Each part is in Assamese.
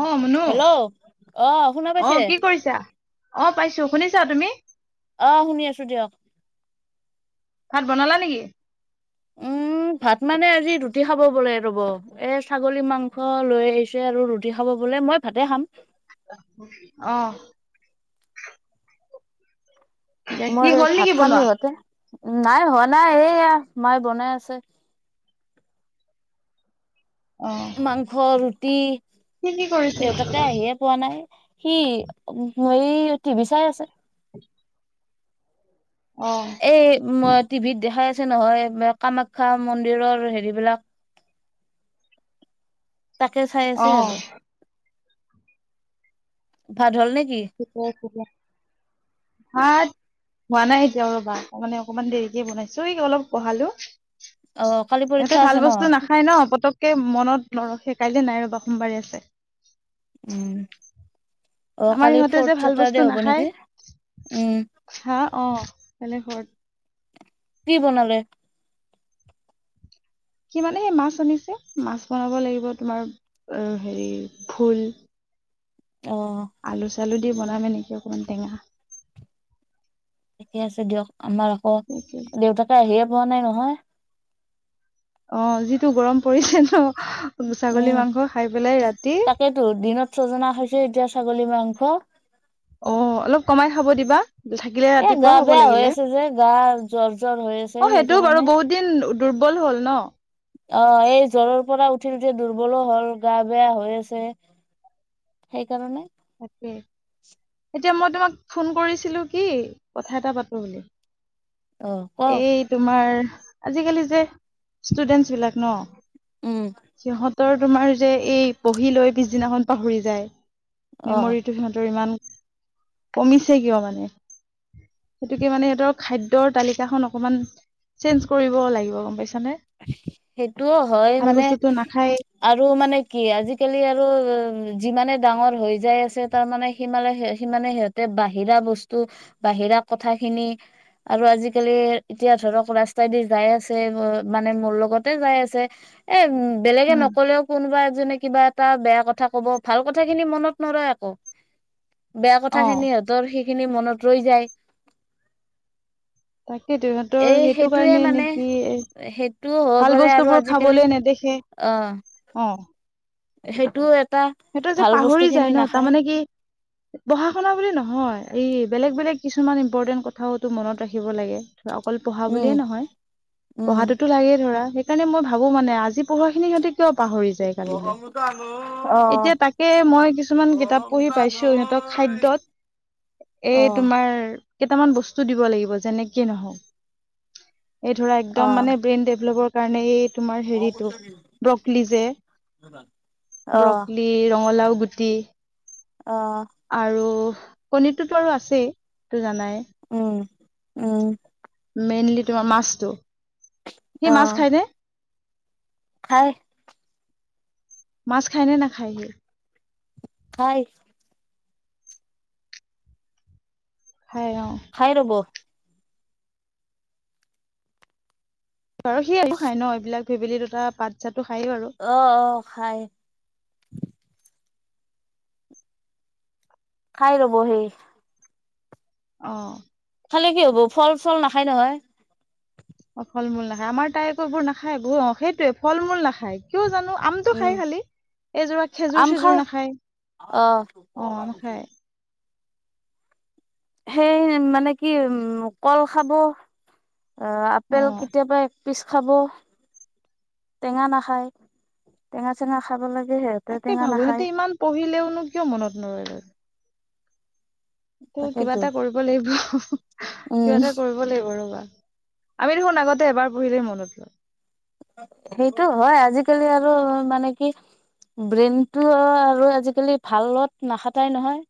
অ মুনু হেল্ল', অ', শুনা পাইছে? কি কৰিছা অ', পাইছো, শুনিছা তুমি? অ', শুনি আছো দিয়ক। ভাত বনালা নেকি? উম। ভাত মানে আজি ৰুটি খাব বলে ৰ'ব। এ ছাগলী মাংস লৈ আহিছে আৰু ৰুটি খাব ব বোলে মই ভাতে খাম। অ'। দে কি মই হ'ল ভাত নেকি খাম। বনোৱা ইহঁতে নাই, হোৱা নাই, এয়া মায়ে বনাই আছে। অ মাংস, ৰুটি, কি কি কৰিছে দেউতাকে আহিয়ে পোৱা নাই। সি হেই, টিভি চাই আছে। [inaudible] অ এই উ মই টিভিত দেখাই আছে। ছে নহয় কামাখ্যা মন্দিৰৰ হেৰিবলাক তাকে চাই অ আছে আৰু। ভাত হ'ল নেক শা ভ [unintelligible] হোৱা নাই এতিয়া ৰ'বা, তাৰ মানে অকমান দেৰিকে বনাইছো, এইক অলপ পঢ়ালো। অ কালি পৰীক্ষা ইহঁতে আছে ভাল ন বস্তু নাখায় ন পতককে মনত নৰখে। কাইলৈ নাই ৰ'বা সোমবাৰে আছে। উম। অ আমাৰ কালি ইহঁতে ফৰ্থ যে ভাল চেটাৰডে বস্তু হ'ব নেকি নাখায়। উম হা অ' কাইলে ঘৰত কি বনালে? কি মানে সেই মাছ আনিছে, মাছ বনাব লাগিব তোমাৰ হেৰি ভোল অ আলু চালু দি বনামে এনেকে অকণমান টেঙা। ঠিকে আছে দিয়ক আমাৰ আকৌ দেউতাকে আহিয়ে পোৱা নাই নহয়। অ' যিটো গৰম পৰিছে ন? ছাগলী উম, মাংস খাই পেলাই ৰাতি তাকেইতো দিনত ছজনা খাইছো, এতিয়া ছাগলী মাংস। অ' অলপ কমাই খাব দিবা। থাকিলে এ গা ৰাতিপুৱা খাব বেয়া হৈ লাগিলে, আছে যে গা জ্বৰ জ্বৰ হৈ আছে অ' সেইটো সেইকাৰণে বাৰু বহুত দিন দুৰ্বল হ'ল ন? অ' এই জ্বৰৰ পৰা উঠি উঠি দুৰ্বলো হ'ল গা বেয়া হৈ আছে। সেইকাৰণে তাকে। এতিয়া মই তোমাক ফোন কৰিছিলো কি কথা এটা পাতো বুলি। অ কওক এই তোমাৰ আজিকালি যে ষ্টুডেন্টচ বিলাক ন। উম। ৰ তোমাৰ যে এই পঢ়ি লৈ পিছদিনাখন পাহৰি যায়। অ মেমৰিটো সিহঁতৰ ইমান কমিছে কিয় মানে? সেইটোকে মানে সিহঁতৰ খাদ্যৰ তালিকাখন অকমান চেঞ্জ কৰিব লাগিব গ'ম পাইছে। সেইটোও হয় মানে, বস্তুটো নাখায় আৰু মানে কি আজিকালি যিমানে ডাঙৰ হৈ যাই আছে, তাৰ মানে সিমানে সিহঁতে বাহিৰা বস্তু উ বাহিৰা কথা খিনি আৰু আজিকালি এতিয়া ধৰক ৰাস্তাইদি যাই আছে মানে মোৰ লগতে যাই আছে এ উম বেলেগে উম নকলেও কোনোবা এজনে কিবা টা বেয়া কথা ক'ব, ভাল কথা খিনি মনত নৰয় আকৌ, বেয়া কথা অ খিনি সিহঁতৰ শি সেই খিনি মনত ৰৈ যায়। তাকেইটো, সিহঁতৰ এই সেইটো সেইটোয়ে কাৰণে নে মানে কিয়ে। সেইটোও হ'ব ভাল পাৰে আৰু বস্তুবোৰ আজিকালি খাবলৈ নেদেখে। অ' সেইটো এক সেইটো যে পাহৰি যায় ন, তাৰ মানে কি পঢ়া শুনা বুলি নহয়। এই বেলেগ বেলেগ কিছুমান ইম্পৰ্টেণ্ট কথাওতো মনত ৰাখিব লাগে। ধৰা অকল পঢ়া উম বুলিয়ে নহয় উম পঢ়াতোতো লাগেই ধৰা। সেইকাৰণে মই ভাবো মানে আজি পঢ়া খিনি সিহঁতে কিয় পাহৰি যায় অ', কালিলৈ। অ', এতিয়া তাকে মই কিছুমান কিতাপ পঢ়ি পাইছো সিহঁতৰ খাদ্যত এ তোমাৰ কেইটামান বস্তু দিব লাগিব যেনেকে নহওঁক। এই ধৰা একদম অ', মানে ব্ৰেইন ডেভেলপৰ কাৰণে এই ব [unintelligible] গুটি অ', আৰু কণীটোতো আৰু অ', আছেই এইটো জানাই। উম, উম। মেইনলি তোমাৰ মাছ টো, সি মাছ খায় নে? খায়া। মাছ খাইনে নাখায় সি? খায়। হয়। খাই ৰ'বো। বাৰু সি খাই ন এইবিলাক ভেবেলীলতা পাত চাত? অ', অ', খায়। খাই ৰব সি। অ খালে কি হ'ব ফল চল নাখায় নহয়। অ ফল মূল নাখায় আমাৰ তাই কবোৰ নাখায় সেইটোৱে ফল মূল নাখায় কিয় জানো আমটো উম, খাই খালি! এইযোৰা খেজুৰ আম খাই চেজুৰ নাখায় অ', অ আম খায়। সেই মানে কি কল খাব! অ আপেল কেতিয়াবা - - একপিচ খাব টেঙা নাখায় টেঙা চেঙা খাব লাগে সিহঁতে তাকে টেঙা ভাবো সিহতে নাখায় ইমান পঢ়িলেওনো কিয় মনত নৰয়? তটো কিবা তাকেতো এটা কৰিব লাগিব কিবা উম, এটা কৰিব লাগিব ৰবা। আমি দেখোন আগতে এবাৰ পঢ়িলেই মনত ৰয় সেইটো হয় আজি কালি আৰু মানে কি ব্ৰেইনটো আৰু আজিকালি ভালত নাখাতাই নহয়।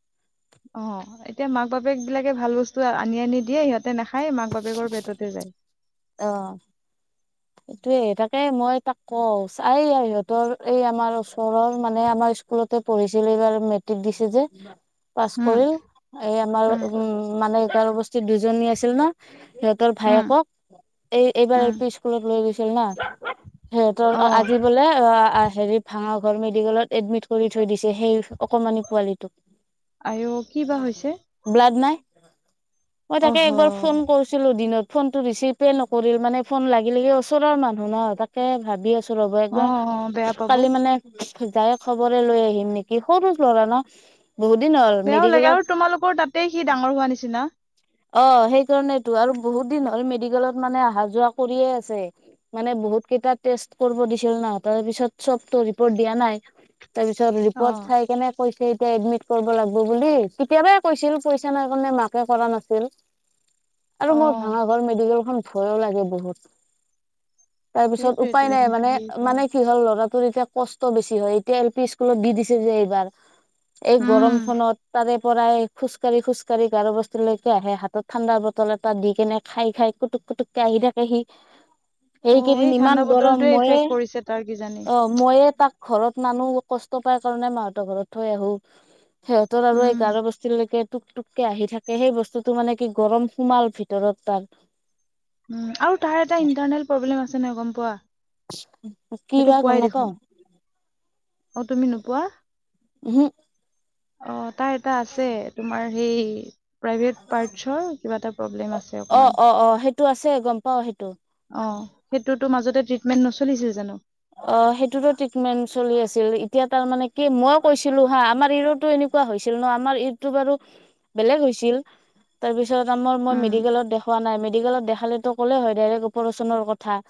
অ এতিয়া মাক বাপেক বিলাকে ভাল বস্তু আনি আনি দিয়ে সিহত -তে নাখায় মাক বাপেকৰ পেটতে যায়। অ এইটোয়ে তাকে মই তাক কওঁ সিহঁতৰ এই আমাৰ ওচৰৰ মানে আমাৰ স্কুলতে পঢ়িছিল এইবাৰ মেট্ৰিক দিছে যে। পাছ উম কৰিল এই আমাৰ উম মানে ই গাৰো বস্তিত দুজনী আছিল ন! সিহঁতৰ উম ভায়েকক এই এইবাৰ এল উম পি স্কুলত লৈ গৈছিল না। সিহঁতৰ অ আজি বোলে অহ হেৰি ভাঙাগড় মেডিকেলত এডমিট। কৰি থৈ দিছে সেই অকমানি আঐ কি বা হৈছে পোৱালিটোক ব্লাড নাই। মই তাকে অহ একবাৰ ফোন কৰিছিলোঁ দিনত ফোন টো ৰিচিভ পে নকৰিল মানে ফোন লাগ। গেলিগৈ ওচৰৰ মানুহ ন তাকে ভাবি আছো ৰব অ অ বেয়া একবাৰ পাব কালি মানে। যাই খবৰে লৈ আহিম নেকি সৰু ল'ৰা ন। বহুত দিন হ'ল বেয়াও লাগে মেডিকেলত আৰু তোমালোকৰ তাতেই সি ডাঙৰ হোৱা নিচিনা। অহ সেইকাৰণেটো আৰু বহুত দিন হ'ল মেডিকেলত মানে অহা যোৱা কৰিয়ে আ। ছে মানে বহুত কেইটা টেষ্ট কৰিব দিছিল ন তাৰ পিছত চবতো ৰিপৰ্ট দিয়া নাই। তাৰপিছত অ ৰিপৰ্ট চাই কেনে কৈ। এতিয়া এডমিট কৰিব লাগব বুলি কেতিয়াবাই কৈছিল পইচা নাই কাৰণে মাকে কৰা নাছিল। আৰু অ মোৰ ভাঙাগড় মেডিকেলখন ভয়ো লাগে বহুত। তাৰ পিছত সেইটোৱেতো উপায় এম নাই ভি মানে ভাল মানে কি হ'ল লৰা। তোৰ এতিয়া কষ্ট বেছি হয় এতিয়া এল পি স্কুলত দি দিছে যে এইবাৰ। এই উম গৰমখনত তাৰে। পৰাই খোজকাঢ়ি খোজকাঢ়ি গাড়ো বস্তি লৈকে আহে হাতত ঠাণ্ডা বটল এটা দি কেনে খাই খাই কুটু। পুটুকে আহি থাকে সি। অ', এইকেইদিন এই ঠাণ্ডা ইমান গৰম বটলটোৱে ইফেক্ট মইয়ে কৰিছে তাৰ কিজানি অহ ময়ে তাক। ঘৰত মানো কষ্ট পাই কাৰণে মাহঁতৰ ঘৰত থৈ আহো। সিহঁতৰ আৰু এই উম, গাৰু বস্তিলৈকে। টুক টুককে আহি থাকে সেই বস্তুটো মানে কি গৰম সোমাল ভিতৰত তাৰ। উম আৰু তাৰ এটা ইণ্টাৰনেল। প্ৰব্লেম আছে নহয় গম পোৱা কি সেইটো বা গম পোৱাই নাপাও দেখোন। অহ তুমি নোপোৱা। উম হুক। অ', তাৰ এটা আছে, তোমাৰ সেই। প্ৰাইভেট পাৰ্টচৰ, কিবা এটা প্ৰব্লেম আছে অকণমান। তো আছে, গম পাও সেইটো। অ', সেইটোতো মাজতে ট্ৰিটমেণ্ট নচলিছিল জানো? অ', সেইটোতো ট্ৰিটমেণ্ট চলি আছিল। এতিয়া তাৰ মানে কি, মইও কৈছিলো হা আমাৰ [unintelligible] এনে। কোৱা হৈছিল নহ? আমাৰ ইউটিউবত আৰু বেলেগ হৈছিল, তাৰ পিছত। মই-মই উম, মেডিকেলত দেখাৱা নাই। মেডিকেলত দেখালে তো ক'লে হৈ ডাইৰেক্ট অপাৰেশ্যনৰ কথা,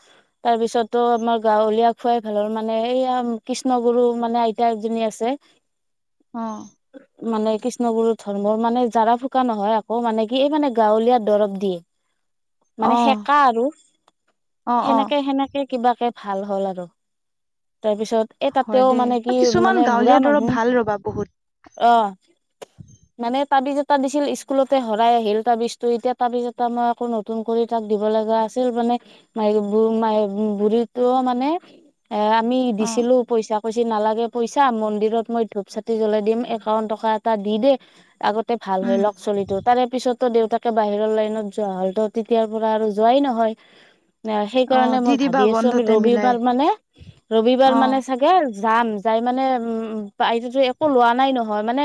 তাৰপিছত তো আমাৰ গাঁৱলীয়া। খুৱাই ভাল হয় মানে, এইয়া কৃষ্ণ গুৰু মানে আইতা এজনী আছে। অ'। মানে, কৃষ্ণগুৰু ধৰ্মৰ মানে জাৰা ফুকা নহয় আকৌ, মানে কি এই মানে গাঁৱলীয়া দৰৱ দিয়ে। মানে অ', সেকা আৰু, অ', অ', সেনেকে-সেনেকে কিবাকে ভাল হ'ল আৰু। তাৰপিছত এ হয় তাতেও দেই মানে কি, কিছুমান মানে বুঢ়া গাঁৱলীয়া দৰৱ ভাল ৰ'বা বহুত মানুহ। অ'। মানে, তাবিজ এটা দিছিল স্কুলতে হেৰাই আহিল। তাবিজটো এতিয়া, তাবিজ এটা মই আকৌ নতুন কৰি। দিব লগা আছিল, মানে বু-বুঢ়ীটোও মানে। এ আমি অ', দিছিলো পইচা, কৈছি নালাগে। পইচা, মন্দিৰত মই ধূপ চাতি জ্বলাই দিম। একাউন্ট টকা এটা দি দে, আগত। ভাল হয় উম, লওক চলিতোৰ। তাৰে পিছতো দেউতাকে বাহিৰৰ লাইনত যোৱা হ'লতো, তেতিয়াৰ পৰা আৰু যোৱাই নহয়। [unintelligible] অ', সেইকাৰণে দি মই দিবা ভাবি আছো, আমি বন্ধতে মিলাই ৰবিবাৰ মানে ৰবিবাৰ মানে অ', চাগে। যাম, যাই মানে উম। তাই যদি একো লোৱা নাই নহয়, মানে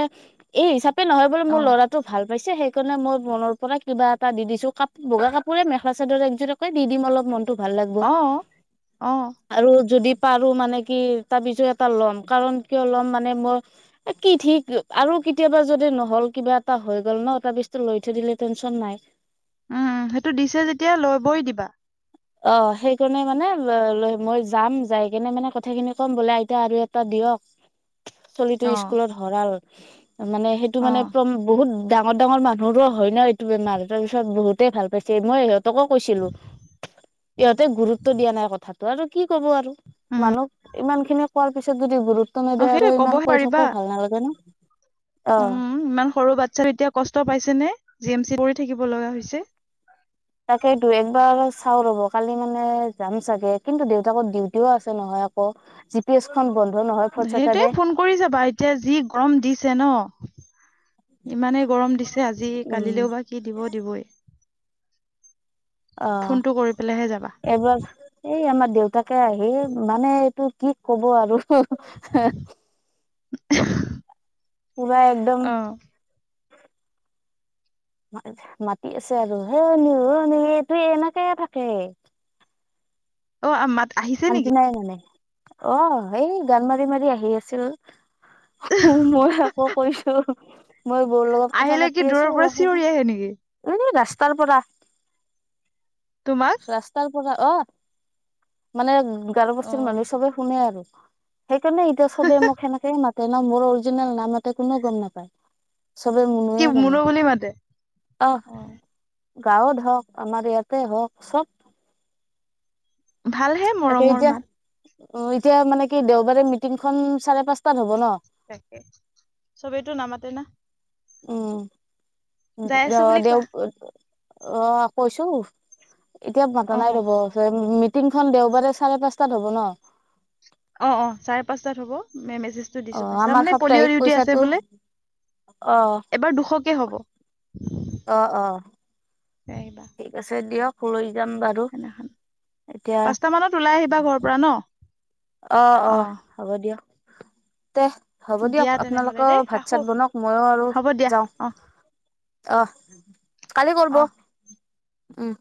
এই হিচাপ। নহয় বোলে, মোৰ অ', ল'ৰাটো ভাল। লৈছে, সেইকাৰণে মই মনৰ পৰা কিবা এটা দি দিছো। কাপ বগা কাপোৰে, মেখেলা চাদৰ একযোৰকে দি দিম অলপ মন। ভাল লাগব, অ', অ', আৰু যদি পাৰো মানে কি, তাবিজও এটা লম। কাৰণ কিয়, ল'ম মানে মই কি ঠিক। আৰু কেতিয়াবা যদি নহল, কিবা এটা হৈ গ'ল নহ। এই তাবিজটো লৈ থৈ দিলে টেনশ্যন নাই। উম, সেইটো দিছে যেতিয়া ল'বই দিবা। অ', সেইকাৰণে মানে মই যাম। যাই কেনে মানে, কথাখিনি কম বোলে আইতা আৰু এটা। দিয়ক, অ চলিটো অ স্কুলত হ'ৰাল। মানে, সেইটো মানে প্ৰম বহুত। ডাঙৰ ডাঙৰ মানুহৰো হয় নহ, এইটো বেমাৰ? তাৰ পিছত বহুতেই ভাল পাইছে, মই সিহঁতকো কৈছিলো। ইহঁতে গুৰুত্ব দিয়া নাই কথাটো, আৰু কি ক'ব আৰু উম মানুহক ইমান। সেই খিনি কোৱাৰ পিছত যদি গুৰুত্ব অ নিদিয়ে আৰু সেইটোৱে ইমান কবহে কৈ পাৰিবা থাকোও ভাল নালাগে ন অ উম, ইমান সৰু বাচ্ছা এতিয়া কষ্ট পাইছে নে? জি এম চি কৰি থাকিব লগা হৈছে। তাকেটো একবাৰ চাও ৰব কালি মানে যাম চাগে, কিন্তু দেউতাকৰ ডিউটিও আছে নহয়। [unintelligible] জি পি এছ খন বন। সেইটোৱে, ফোন কৰি যাবা এতিয়া যি গৰম দিছে নহ। ইমানেই গৰম দিছে আজি, উম কালিলেও বা কি দিব-দিবয়েই। অ', কৰি পেলাইহে যাবা এবাৰ এই আমাৰ। দেউতাকে আহি, মানে এইটো কি ক'ব আৰু। [unintelligible] পোৰা একদম। অ মাতি আছে আৰু, হে নো অ নো ইটো এনেকে থাকে। অ'। [unintelligible] শান্তি নেকি নাই মানে, অ' এই গান মাৰি মাৰি আহি আছিল। উম, মই আকৌ কৈছো। মই বৌৰ লগত কথা আহিলে কি পাতি আছো, দূৰৰ পৰা অলপ চিঞৰি সময়। আহে নেকি উম, ৰাস্ত। ক'ৰ পৰা, তোমাক ৰাস্তাৰ পৰা অহ। মানে গাৰ অ বস্তিৰ মানুহে সবে শুনে আৰু। সেইকাৰণে এতিয়া চবে মোক সেনেকেে মাতে ন মোৰ অৰিজিনেল নাম এতে কোননেও গম নাপায়। চবে কি মুনুয়ে জানে মুনু বুলি মাতে অ আহ। গাঁৱত হওক আমাৰ ইয়াতে হওক চব ভালহে মৰমৰ মাত। অ এতিয়া মানে কি দেওবাৰে মিটিংখন চাৰে পাঁচটাত হব ন। তাকে চবেই এইটো নামাতে ন। উম অ আছো বুলি দেও কোৱা অ কৈছো এতিয়া মাতা নাই অ ৰ'ব ম মিটিংখন দেওবাৰে চাৰে পাঁচটাত হ'ব ন। অ অ চাৰে পাঁচটাত হ'ব মেচেজটো অ দিছো পাইছা আমাৰ মানে পলিঅ' ডিউটি আছে বোলে আহ এবাৰ দুশকে হ'ব আহ আহ আহিবা ঠিক আছে দিয়ক। যাম বাৰু সেনাখন এতিয়া পাঁচটা মানত ওলাই আহিবা ঘৰৰ পৰা ন অ অ হ'ব দিয়ক দে। হ'ব দিয়ক দিয়া তেনেহলে আপোনালোকেও দেই ভাত ৰাখো চাত বনাওঁক মইও আৰু হ'ব দিয়া যাওঁ। অ আহ কালি কৰিব অ উম।